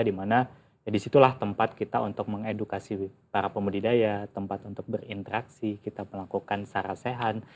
di mana ya disitulah tempat kita untuk mengedukasi para pembudidaya tempat untuk berinteraksi kita melakukan seharasehan